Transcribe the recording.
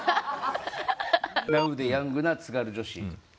「ナウでヤングな津軽女子」。